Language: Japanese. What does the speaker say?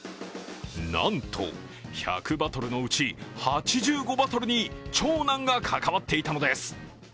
なんと、１００バトルのうち８５バトルに長男が関わっていたのです。